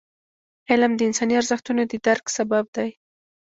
علم د انساني ارزښتونو د درک سبب دی.